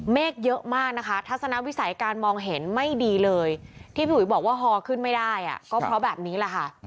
เมฆเยอะมากนะคะทัศนวิสัยการมองเห็นไม่ดีเลยที่พี่อุ๋ยบอกว่าฮอขึ้นไม่ได้ก็เพราะแบบนี้แหละค่ะ